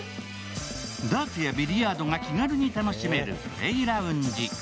ダーツやビリヤードが気軽に楽しめるプレイラウンジ。